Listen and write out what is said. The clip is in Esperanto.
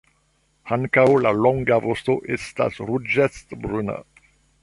Ankaŭ la longa vosto estas ruĝecbruna.